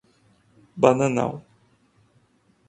Bananal